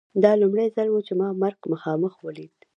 دا لومړی ځل و چې ما مرګ مخامخ ولید